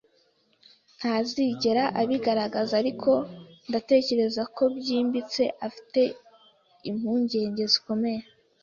Ntazigera abigaragaza, ariko ndatekereza ko byimbitse, afite impungenge zikomeye.